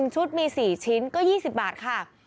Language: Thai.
ชุดมี๔ชิ้นก็๒๐บาทค่ะ